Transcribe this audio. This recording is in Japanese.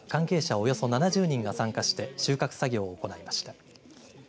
およそ７０人が参加して収穫作業を行いました。